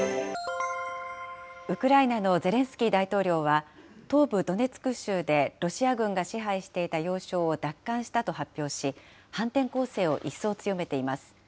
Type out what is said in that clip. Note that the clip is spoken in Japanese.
ウクライナのゼレンスキー大統領は、東部ドネツク州でロシア軍が支配していた要衝を奪還したと発表し、反転攻勢を一層強めています。